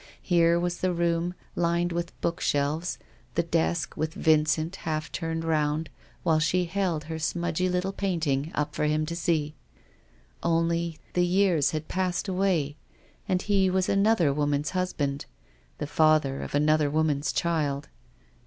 Here was the room, lined with book shelves ; the desk, with Vincent half turned round, while she held her smudgy little paint ing up for bim to see. Only the years had passed away, and he was another woman's husband, the father of another woman's child.